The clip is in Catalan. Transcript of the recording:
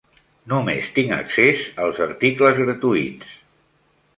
Només tinc accés als articles gratuïts.